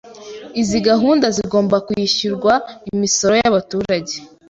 Izi gahunda zagombaga kwishyurwa imisoro yabaturage.